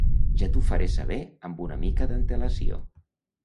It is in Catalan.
Ja t'ho faré saber amb una mica d'antelació.